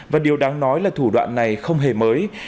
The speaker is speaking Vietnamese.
và điều đáng nói là thủ đoạn này không hề mới